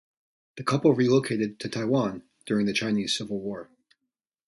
The couple relocated to Taiwan during the Chinese Civil War.